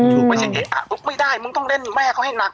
ถูกไปแบบนี้อ่ะไม่ได้มึงต้องเล่นแม่เขาให้หนัก